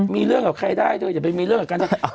มีเรื่องกับใครได้ด้วยอย่าไปมีเรื่องกับ